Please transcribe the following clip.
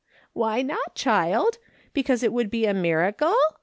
" Why not, child ? Because it would be a miracle